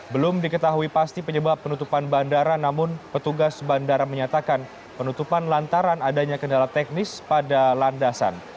belum diketahui pasti penyebab penutupan bandara namun petugas bandara menyatakan penutupan lantaran adanya kendala teknis pada landasan